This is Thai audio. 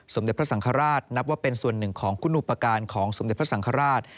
สมเด็จพระสังฆราชนับว่าเป็นส่วนหนึ่งของคุณอุปการณ์ของสมเด็จพระสังฆราช